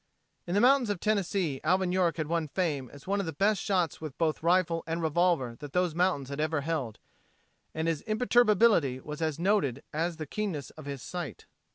In the mountains of Tennessee Alvin York had won fame as one of the best shots with both rifle and revolver that those mountains had ever held, and his imperturbability was as noted as the keenness of his sight.